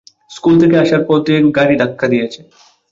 School থেকে আসার পথে গাড়ি ধাক্কা দিয়েছে।